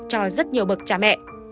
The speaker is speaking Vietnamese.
cho rất nhiều bậc cha mẹ